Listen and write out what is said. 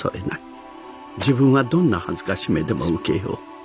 自分はどんな辱めでも受けよう。